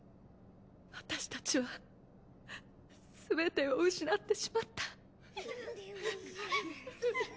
私たちはすべてを失ってしまった。